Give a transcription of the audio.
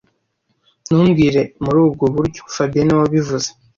Ntumbwire muri ubwo buryo fabien niwe wabivuze